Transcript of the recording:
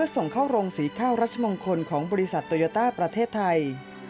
ส่งเข้าโรงสีข้าวรัชมงคลของบริษัทโตโยต้าประเทศไทย